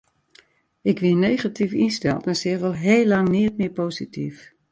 Ik wie negatyf ynsteld en seach al heel lang neat mear posityf.